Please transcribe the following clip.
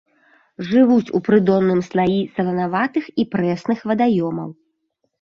Жывуць у прыдонным слаі саланаватых і прэсных вадаёмаў.